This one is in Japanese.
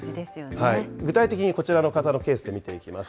具体的にこちらの方のケースで見ていきます。